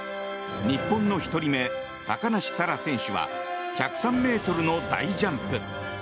日本の１人目、高梨沙羅選手は１０３ｍの大ジャンプ。